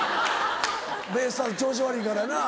ベイスターズ調子悪いからな。